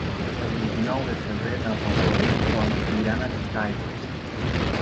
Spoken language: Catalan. El vint-i-nou de febrer na Rosó i en Tom iran a Titaigües.